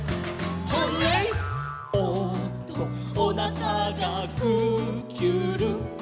「おっとおなかがぐーきゅるん」